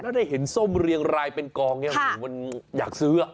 แล้วได้เห็นส้มเรียงลายเป็นกองอย่างนี้มันอยากซื้อ